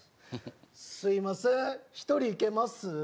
すいません１人いけます？